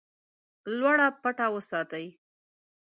لوړه پټه وساتي.